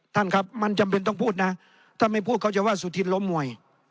ท่านครับมันจำเป็นต้องพูดนะถ้าไม่พูดเขาจะว่าสุธินล้มมวย